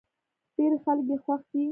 ډېری خلک يې خوښ دی.